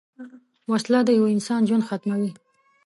وسله د یوه انسان ژوند ختموي